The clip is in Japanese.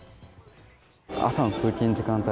朝の通勤時間帯